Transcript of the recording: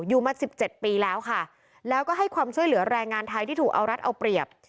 อยู่มาสิบเจ็ดปีแล้วค่ะแล้วก็ให้ความช่วยเหลือแรงงานไทยที่ถูกเอารัฐเอาเปรียบ